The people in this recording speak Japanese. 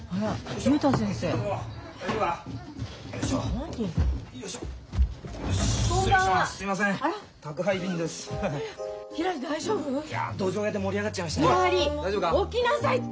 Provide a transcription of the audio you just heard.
ひらり起きなさいって！